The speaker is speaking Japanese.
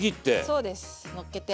そうですのっけて。